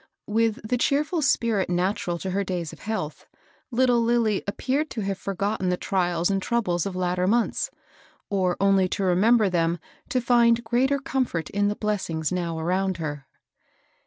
With the cheerful spirit natural to her days of health, little Lilly appeared to have forgotten the trials and troubles of latter months, or only to re member them to find greater comfort in the bless ings now around her.